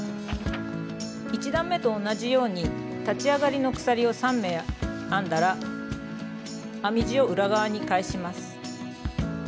１段めと同じように立ち上がりの鎖を３目編んだら編み地を裏側に返します。